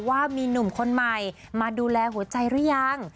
ว่ามีหนุ่มคนใหม่มาดูแลหัวใจหรือยัง